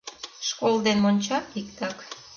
— Школ ден монча иктак.